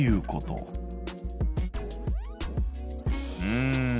うん。